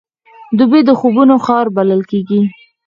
دوبی د خوبونو ښار بلل کېږي.